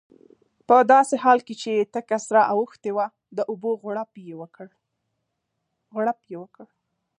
په داسې حال کې چې تکه سره اوښتې وه د اوبو غړپ یې وکړ.